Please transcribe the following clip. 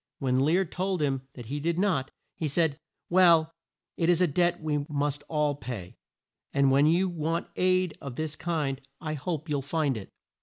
When Lear told him that he did not, he said, "Well, it is a debt we must all pay, and when you want aid of this kind I hope you'll find it."